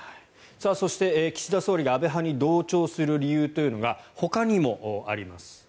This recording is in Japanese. そして、岸田総理が安倍派に同調する理由というのがほかにもあります。